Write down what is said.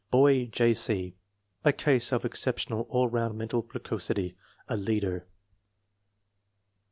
Boy: J. C. A case of exceptional all round mental precocity. A leader.